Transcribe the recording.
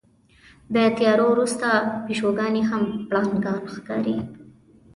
د تیارو وروسته پیشوګانې هم پړانګان ښکاري.